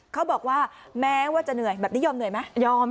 เขาบอกว่าแม้ว่าจะเหนื่อยแบบนี้ยอมเหนื่อยไหมยอม